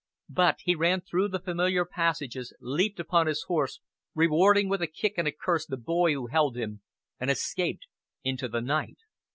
But he ran through the familiar passages, leaped upon his horse, rewarding with a kick and a curse the boy who held him, and escaped into the night.